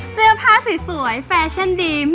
เสื้อผ้าสวยแฟชั่นดีม